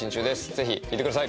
ぜひ聴いてください。